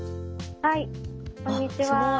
☎はいこんにちは。